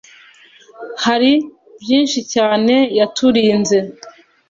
Hari byinshi cyane yaturinze